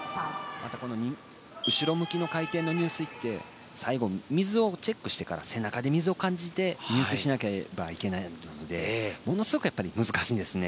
後ろ向きの回転の入水って最後、水をチェックしてから背中で水を感じて入水しなければいけないのでものすごく難しいんですね。